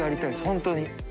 本当に。